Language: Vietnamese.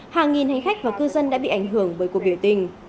hàng nghìn hành khách và cư dân đã bị ảnh hưởng bởi cuộc biểu tình